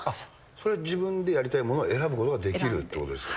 それは自分でやりたいものを選ぶことができるということですか？